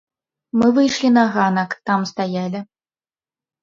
Мы выйшлі на ганак, там стаялі.